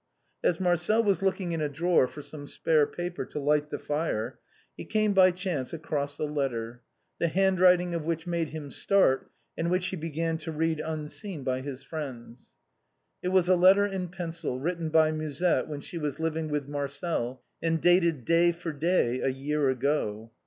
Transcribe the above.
As Marcel was looking in a drawer for some spare paper to light the fire, he came by chance across a letter, the handwriting of which made him start, and which he began to read unseen by his friends. It was a letter in pencil, written by Musette when she was living with Marcel, and dated day for day a year ago.